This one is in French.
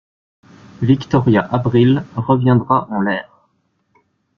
Victoria Abril reviendra en l'air!